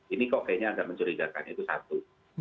ini kok kayaknya agak mencurigakan itu satu